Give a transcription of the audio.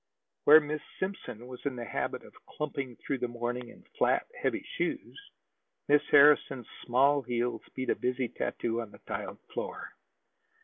Where Miss Simpson was in the habit of clumping through the morning in flat, heavy shoes, Miss Harrison's small heels beat a busy tattoo on the tiled floor.